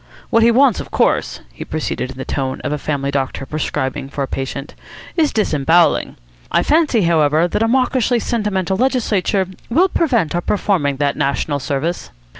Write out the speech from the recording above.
What he wants, of course," he proceeded in the tone of a family doctor prescribing for a patient, "is disembowelling. I fancy, however, that a mawkishly sentimental legislature will prevent our performing that national service.